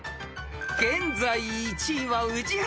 ［現在１位は宇治原ペア］